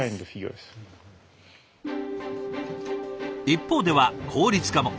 一方では効率化も。